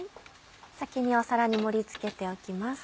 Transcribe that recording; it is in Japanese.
先に皿に盛り付けておきます。